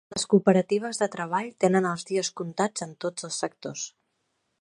Les cooperatives de treball tenen els dies comptats en tots els sectors.